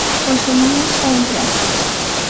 José Luís Oltra.